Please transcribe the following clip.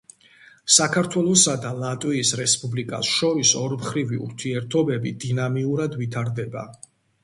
საქართველოსა და ლატვიის რესპუბლიკას შორის ორმხრივი ურთიერთობები დინამიურად ვითარდება.